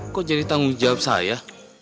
kok jadi tanggung jawab saya